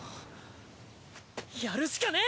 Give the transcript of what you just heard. やるしかねえ！